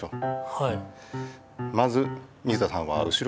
はい。